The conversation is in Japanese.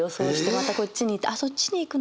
またこっちに行ってあっそっちに行くの？